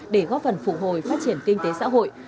để góp phần phục hồi phát triển kinh tế xã hội